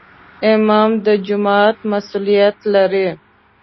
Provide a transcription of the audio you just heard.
امام د جومات مسؤولیت لري